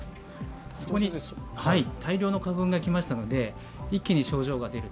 そこに大量の花粉が着ましたので一気に症状が出る。